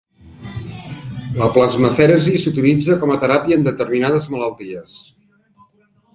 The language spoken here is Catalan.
La plasmafèresi s'utilitza com a teràpia en determinades malalties.